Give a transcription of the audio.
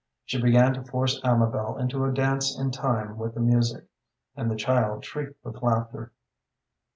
She began to force Amabel into a dance in time with the music, and the child shrieked with laughter.